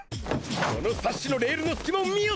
このサッシのレールのすきまを見よ！